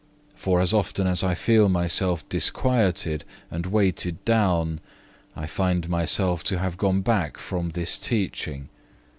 For as often as I feel myself disquieted and weighed down, I find myself to have gone back from this teaching.